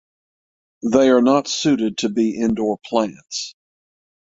They are not suited to be indoor plants.